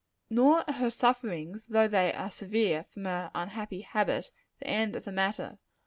Nor are her sufferings though they are severe from her unhappy habit, the end of the matter.